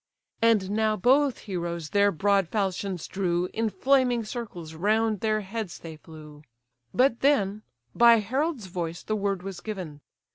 And now both heroes their broad falchions drew In flaming circles round their heads they flew; But then by heralds' voice the word was given.